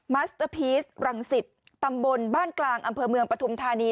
มัสเตอร์พีชรังสิตตำบลบ้านกลางอำเภอเมืองปฐุมธานี